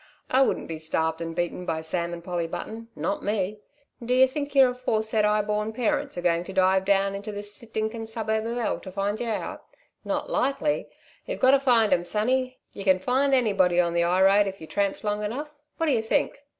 I wouldn't be starved and beaten by Sam and Polly Button. Not me. D'ye think yer aforesaid 'igh born parents are going to dive down into this stinkin' suburb of hell to find yer out? Not likely. You've got to find 'em sonny. Yer can find anybody on the 'ighroad if yer tramps long enough. What d'yer think?"